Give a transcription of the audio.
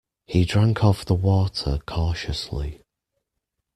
He drank of the water cautiously.